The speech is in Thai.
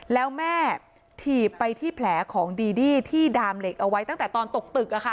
แล้วแม่ถีบไปที่แผลของดีดี้ที่ดามเหล็กเอาไว้ตั้งแต่ตอนตกตึก